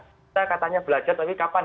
kita katanya belajar tapi kapan